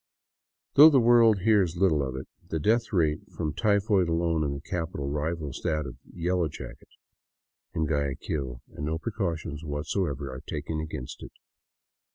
Though the world .hears little of it, the death rate from typhoid alone in the capital rivals that of " Yellow Jacket " in Guaya quil ; and no precautions whatever are taken against it.